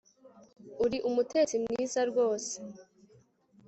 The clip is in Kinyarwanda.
Uri umutetsi mwiza rwose